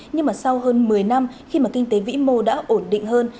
nhưng mà sau hơn một mươi năm khi mà kinh tế vĩ mô đã ổn định hơn